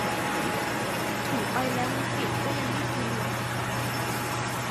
ถึงไปแล้วมันปิด ก็ยังได้กิน วะ